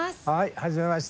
はじめまして。